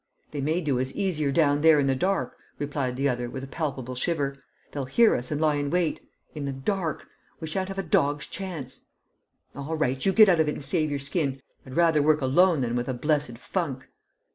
"They may do us easier down there in the dark," replied the other, with a palpable shiver. "They'll hear us and lie in wait. In the dark! We shan't have a dog's chance." "All right! You get out of it and save your skin. I'd rather work alone than with a blessed funk!"